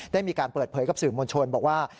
ได้มีการเปิดเผยกับสื่อมวลชนบอกว่า